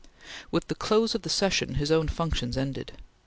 With the close of the session, his own functions ended.